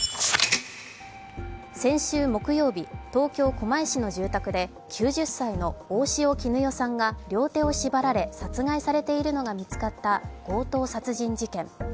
先週木曜日、東京・狛江市の住宅で９０歳の大塩衣与さんが両手を縛られ殺害されているのが見つかった強盗殺人事件。